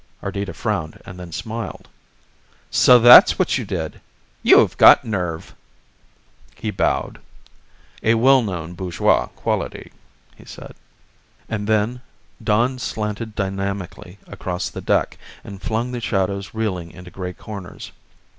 Ardita frowned and then smiled. "So that's what you did! You HAVE got nerve!" He bowed. "A well known bourgeois quality," he said. And then dawn slanted dynamically across the deck and flung the shadows reeling into gray corners.